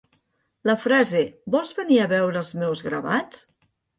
La frase: Vols venir a veure els meus gravats?